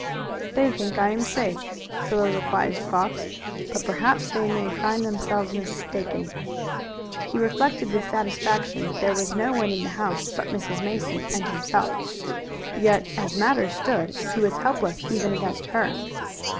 "They think I am safe," soliloquized Fox, "but perhaps they may find themselves mistaken." He reflected with satisfaction that there was no one in the house but Mrs. Mason and himself. Yet as matters stood he was helpless even against her.